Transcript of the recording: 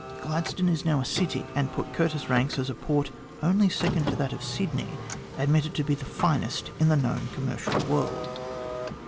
Gladstone is now a city, and Port Curtis ranks as a port only second to that of Sydney, admitted to be the finest in the known commercial world."